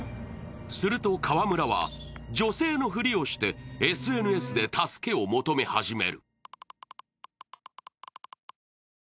すると川村は女性のふりをしてＳＮＳで助けを求め始める。